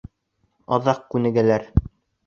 Аҙаҡ күнегәләр.